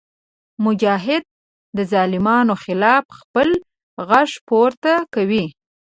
مجاهد د ظالمانو خلاف خپل غږ پورته کوي.